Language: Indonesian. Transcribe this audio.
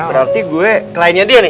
berarti gue kliennya dia nih